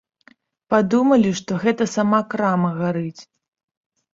Падумалі, што гэта сама крама гарыць.